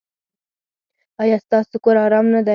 ایا ستاسو کور ارام نه دی؟